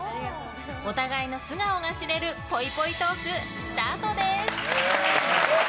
お互いの素顔が知れるぽいぽいトーク、スタートです。